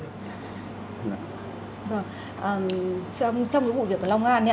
trong cái vụ việc của long an